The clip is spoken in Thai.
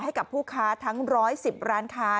ให้กับผู้ค้าทั้ง๑๑๐ร้านค้า